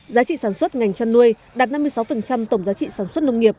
giá trị sản xuất ngành chăn nuôi đạt năm mươi sáu tổng giá trị sản xuất nông nghiệp